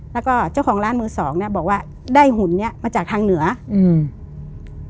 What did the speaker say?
แล้วก็เจ้าของร้านมือสองเนี้ยบอกว่าได้หุ่นเนี้ยมาจากทางเหนืออืม